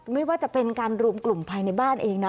ไม่ว่าจะเป็นการรวมกลุ่มภายในบ้านเองนะ